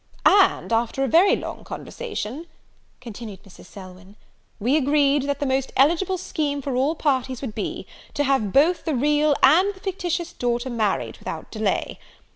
"And, after a very long conversation," continued Mrs. Selwyn, "we agreed, that the most eligible scheme for all parties would be, to have both the real and the fictitious daughter married without delay.